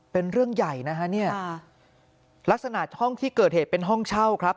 เป็นเรื่องใหญ่นะฮะเนี่ยลักษณะห้องที่เกิดเหตุเป็นห้องเช่าครับ